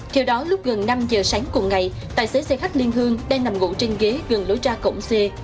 theo đó lúc gần năm giờ sáng cùng ngày tài xế xe khách liên hương đang nằm ngủ trên ghế gần lối ra cổng c